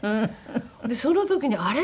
その時にあれ？